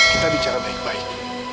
kita bicara baik baik